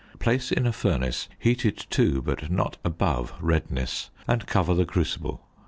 Place in a furnace heated to, but not above, redness, and cover the crucible.